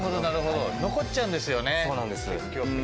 残っちゃうんですよね。